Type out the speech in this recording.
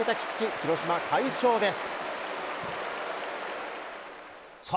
広島、快勝です。